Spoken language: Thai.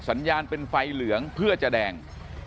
สัญญาณเป็นไฟเหลืองเพื่อจะแดง